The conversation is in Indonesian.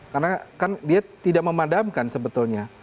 karena kan dia tidak memadamkan sebetulnya